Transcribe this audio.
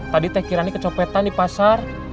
tadi teh kirani kecopetan di pasar